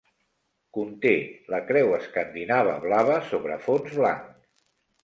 Conté la creu escandinava blava sobre fons blanc.